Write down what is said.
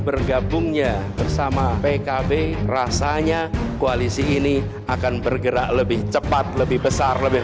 bergabungnya bersama pkb rasanya koalisi ini akan bergerak lebih cepat lebih besar lebih